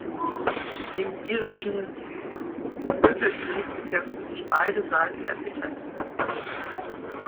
Im Irischen Bürgerkrieg bekämpften sich beide Seiten erbittert.